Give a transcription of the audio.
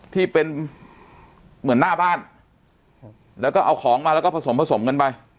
ที่เป็นเหมือนหน้าบ้านแล้วก็เอาของมาแล้วก็ผสมผสมกันไป